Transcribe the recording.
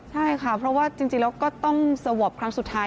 ใช่ค่ะเพราะว่าจริงแล้วก็ต้องสวอปครั้งสุดท้าย